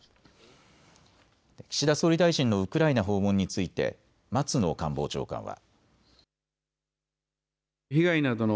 岸田総理大臣のウクライナ訪問について松野官房長官は。